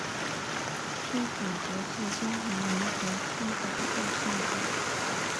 出版节是中华民国出版界设立。